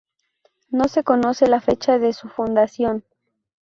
No se conoce la fecha de su fundación.